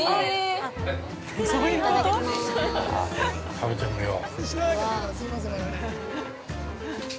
◆食べてみよう。